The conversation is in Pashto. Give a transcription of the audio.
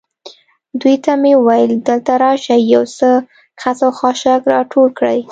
دوی ته مې وویل: دلته راشئ، یو څه خس او خاشاک را ټول کړئ.